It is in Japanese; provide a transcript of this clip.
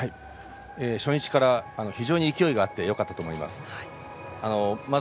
初日から非常に勢いがありよかったと思います。